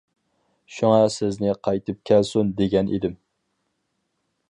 شۇڭا سىزنى قايتىپ كەلسۇن دېگەن ئىدىم.